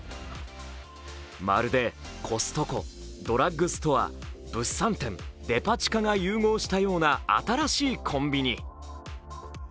まるでコストコ、ドラッグストア、物産展、デパ地下が融合したような新しいコンビニ。